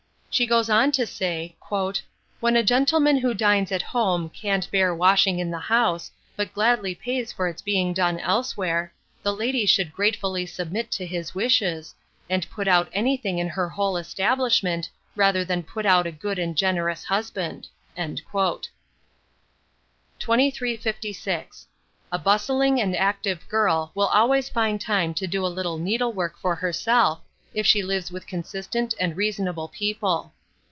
She goes on to say "When a gentleman who dines at home can't bear washing in the house, but gladly pays for its being done elsewhere, the lady should gratefully submit to his wishes, and put out anything in her whole establishment rather than put out a good and generous husband." 2356. A bustling and active girl will always find time to do a little needlework for herself, if she lives with consistent and reasonable people.